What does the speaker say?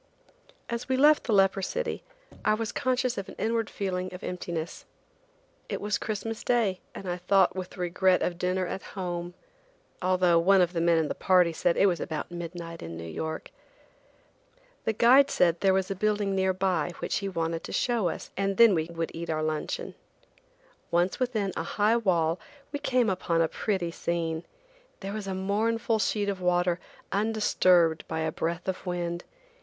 As we left the leper city I was conscious of an inward feeling of emptiness. It was Christmas day, and I thought with regret of dinner at home, although one of the men in the party said it was about midnight in New York. The guide said there was a building near by which he wanted to show us and then we would eat our luncheon. Once within a high wall we came upon a pretty scene. There was a mournful sheet of water undisturbed by a breath of wind.